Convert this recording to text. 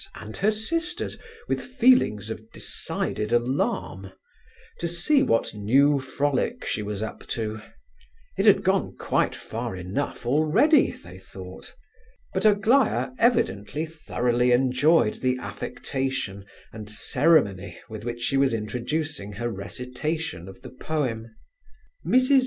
and her sisters with feelings of decided alarm, to see what new frolic she was up to; it had gone quite far enough already, they thought. But Aglaya evidently thoroughly enjoyed the affectation and ceremony with which she was introducing her recitation of the poem. Mrs.